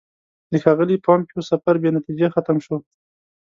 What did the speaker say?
د ښاغلي پومپیو سفر بې نتیجې ختم شو.